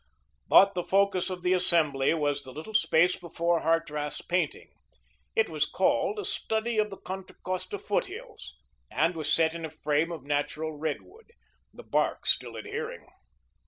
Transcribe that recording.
But the focus of the assembly was the little space before Hartrath's painting. It was called "A Study of the Contra Costa Foothills," and was set in a frame of natural redwood, the bark still adhering.